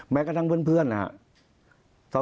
แม้ก็ทั้งเพื่อนนะฮะ